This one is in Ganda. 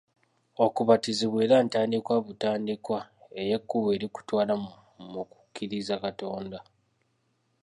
Okubatizibwa eba ntandikwa butandikwa ey'ekkubo erikutwala mu kukkiriza Katonda